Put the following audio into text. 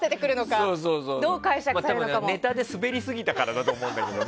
多分、ネタでスベりすぎたからだと思うんですけどね。